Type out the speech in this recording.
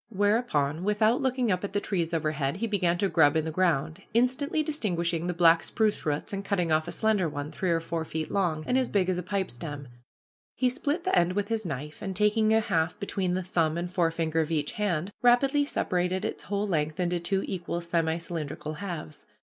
Whereupon, without looking up at the trees overhead, he began to grub in the ground, instantly distinguishing the black spruce roots, and cutting off a slender one, three or four feet long, and as big as a pipestem, he split the end with his knife, and taking a half between the thumb and forefinger of each hand, rapidly separated its whole length into two equal semi cylindrical halves.